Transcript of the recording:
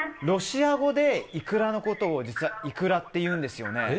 ロシア語でイクラのことを実はイクラっていうんですよね？